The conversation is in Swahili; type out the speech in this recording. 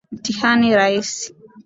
Mtihani rahisi